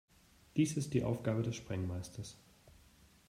Dies ist die Aufgabe des Sprengmeisters.